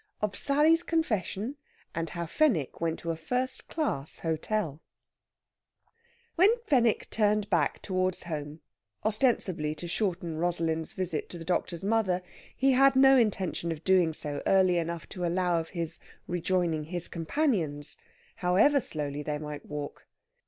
OF SALLY'S CONFESSION, AND HOW FENWICK WENT TO A FIRST CLASS HOTEL When Fenwick turned back towards home, ostensibly to shorten Rosalind's visit to the doctor's mother, he had no intention of doing so early enough to allow of his rejoining his companions, however slowly they might walk.